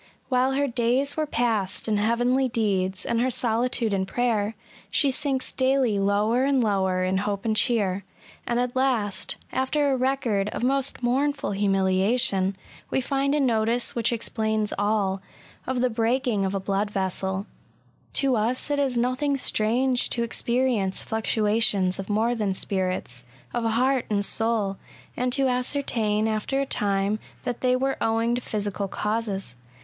While her days were passed in heavenly deeds^ and her SOME PERILS AND PAINS OF INVALIDISM. l95 solitude in prayer, she sinks daily lower and lower in hope and cheer : and at last, after a record of most mournful humiliation, we find a notice which explains all — of the breaking of a blood vessel. To us it is nothing strange to experience fluctua tions of more than spirits — of heart and soul, and to ascertain, after a time, that they were owing to physical causes.